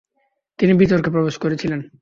তিনি বিতর্কে প্রবেশ করেছিলেন।